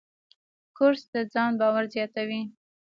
کورس د ځان باور زیاتوي.